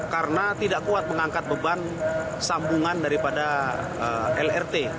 karena tidak kuat mengangkat beban sambungan daripada lrt